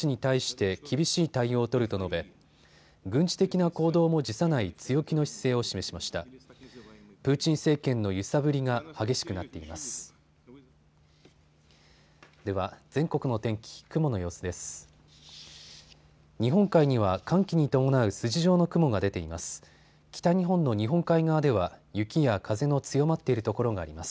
日本海には寒気に伴う筋状の雲が出ています。